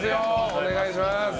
お願いします。